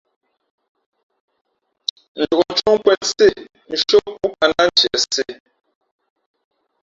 Njǒʼ cóh nkwēn sê nshʉ́ά kūʼkaʼ nά ntiē sē.